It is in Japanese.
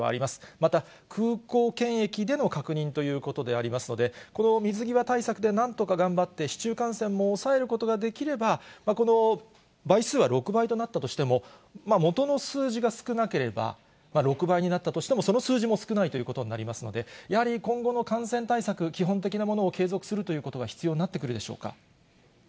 また空港検疫での確認ということでありますので、この水際対策でなんとか頑張って、市中感染も抑えることができれば、この倍数は６倍となったとしても、もとの数字が少なければ、６倍になったとしてもその数字も少ないということになりますので、やはり今後の感染対策、基本的なものを継続するということが必要になってくるでしょうか。